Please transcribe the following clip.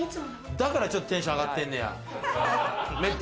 だからちょっとテンション上がってんねや。